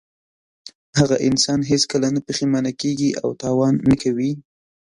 هغه انسان هېڅکله نه پښېمانه کیږي او تاوان نه کوي.